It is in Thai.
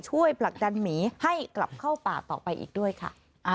ผลักดันหมีให้กลับเข้าป่าต่อไปอีกด้วยค่ะ